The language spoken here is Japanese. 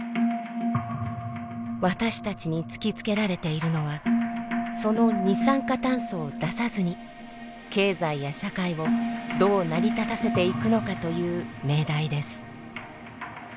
私たちに突きつけられているのはその二酸化炭素を出さずに経済や社会をどう成り立たせていくのかという命題です。